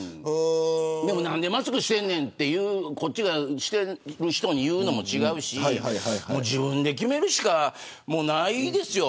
でも、なんでマスクしてんねんってこっちがしてる人に言うのも違うし自分で決めるしかないですよ。